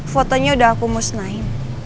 fotonya udah aku musnahin